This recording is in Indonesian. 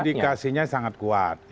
indikasinya sangat kuat